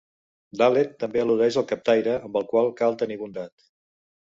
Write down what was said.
Dàlet també al·ludeix al captaire, amb el qual cal tenir bondat.